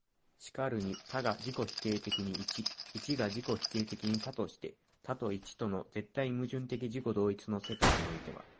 然るに多が自己否定的に一、一が自己否定的に多として、多と一との絶対矛盾的自己同一の世界においては、